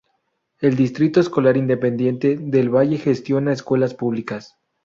El Distrito Escolar Independiente de Del Valle gestiona escuelas públicas.